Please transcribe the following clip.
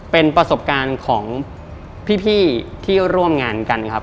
เป็นประสบการณ์ของพี่ที่ร่วมงานกันครับ